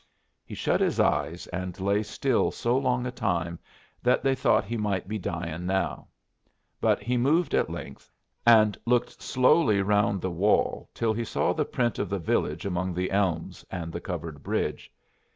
He shut his eyes, and lay still so long a time that they thought he might be dying now; but he moved at length, and looked slowly round the wall till he saw the print of the village among the elms and the covered bridge.